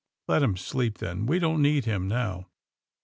"Let him sleep, then., We don't need him — now.